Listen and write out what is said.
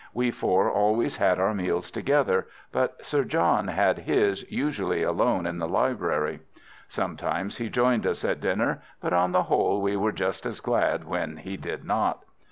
We four always had our meals together, but Sir John had his usually alone in the library. Sometimes he joined us at dinner, but on the whole we were just as glad when he did not.